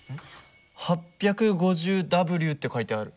８５０Ｗって書いてある。